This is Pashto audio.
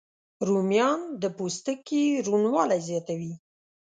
رومیان د پوستکي روڼوالی زیاتوي